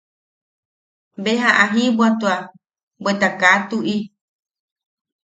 Beja a jibwatua, bweta kaa tuʼi.